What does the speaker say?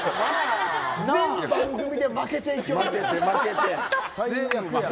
全番組で負けていきよる。